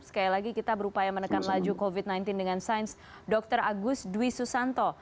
sekali lagi kita berupaya menekan laju covid sembilan belas dengan sains dr agus dwi susanto